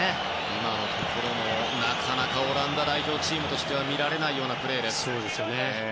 今もなかなかオランダ代表チームとしても見られないようなプレーでした。